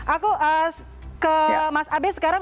aku ke mas abe sekarang